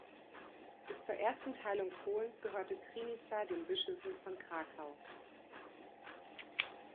Bis zur Ersten Teilung Polens gehörte Krynica den Bischöfen von Krakau.